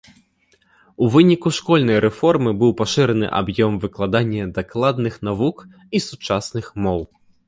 У выніку школьнай рэформы быў пашыраны аб'ём выкладання дакладных навук і сучасных моў.